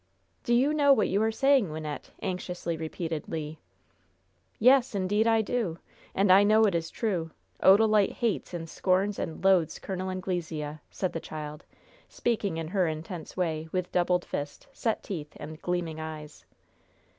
"Do you know what you are saying, Wynnette?" anxiously repeated Le. "Yes, indeed I do. And I know it is true. Odalite hates and scorns and loathes Col. Anglesea!" said the child, speaking in her intense way, with doubled fist, set teeth and gleaming eyes.